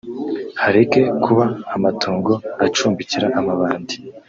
hareke kuba amatongo acumbikira amabandi